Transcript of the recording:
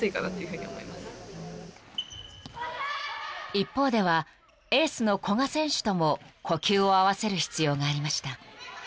［一方ではエースの古賀選手とも呼吸を合わせる必要がありました］